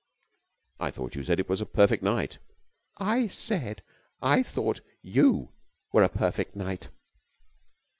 "I thought you said it was a perfect night." "I said I thought you were a perfect knight."